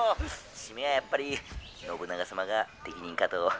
締めはやっぱり信長様が適任かと」。